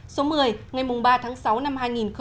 số một mươi ngày ba tháng sáu năm hai nghìn một mươi chín